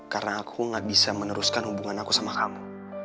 karena aku gak bisa meneruskan hubungan aku sama kamu